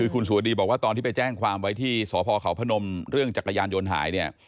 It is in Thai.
คุณสุวดีบอกว่าตอนที่ไปแจ้งความไว้ที่สพเขาพนมเรื่องจักรยานยนต์หายเนี่ย